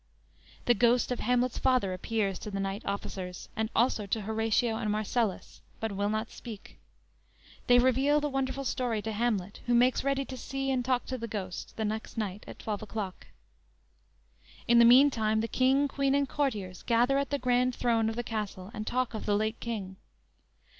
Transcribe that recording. The ghost of Hamlet's father appears to the night officers, and also to Horatio and Marcellus, but will not speak. They reveal the wonderful story to Hamlet, who makes ready to see and talk to the Ghost the next night at twelve o'clock. In the meantime, the king, queen and courtiers gather at the grand throne of the castle and talk of the late king.